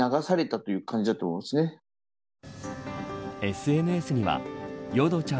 ＳＮＳには淀ちゃん